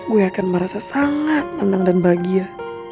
gue akan merasa sangat tenang dan bahagia